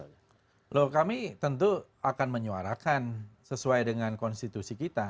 kalau kami tentu akan menyuarakan sesuai dengan konstitusi kita